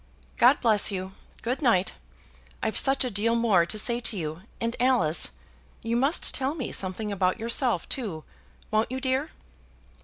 God bless you! good night. I've such a deal more to say to you; and Alice, you must tell me something about yourself, too; won't you, dear?"